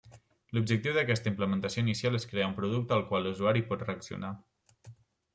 L'objectiu d'aquesta implementació inicial és crear un producte al qual l'usuari pot reaccionar.